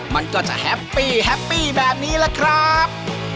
มันก็จะแฮปปี้แฮปปี้แบบนี้แหละครับ